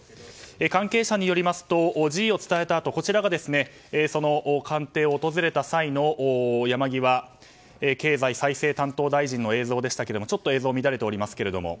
関係者によりますと辞意を伝えたあとこちらがその官邸を訪れた際の山際経済再生担当大臣の映像でしたがちょっと映像が乱れておりますけども。